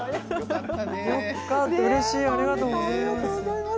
うれしい、ありがとうございます。